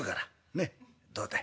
ねっどうだい？